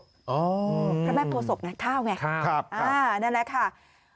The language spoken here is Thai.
อ๋อพระแม่โฟศกไงข้าวไงครับนั่นแหละค่ะครับ